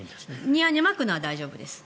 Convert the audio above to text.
庭にまくのは大丈夫です。